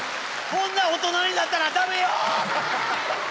こんな大人になったら駄目よ！